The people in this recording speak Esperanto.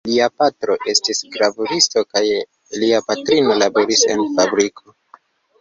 Lia patro estis gravuristo kaj lia patrino laboris en fabriko.